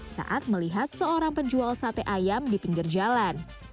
saat melihat seorang penjual sate ayam di pinggir jalan